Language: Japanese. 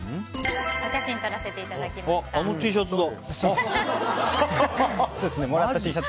お写真、撮らせていただきました。